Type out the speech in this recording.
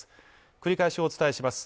繰り返しお伝えします。